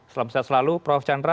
selamat siang selalu prof chandra